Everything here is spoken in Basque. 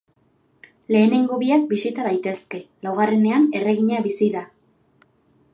Lehenengo biak bisita daitezke, laugarrenean erregina bizi da.